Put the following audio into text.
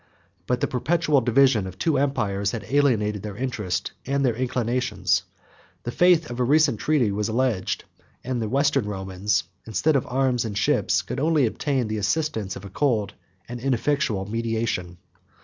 But the perpetual divisions of the two empires had alienated their interest and their inclinations; the faith of a recent treaty was alleged; and the Western Romans, instead of arms and ships, could only obtain the assistance of a cold and ineffectual mediation.